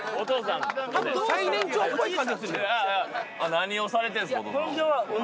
何をされてるんですか？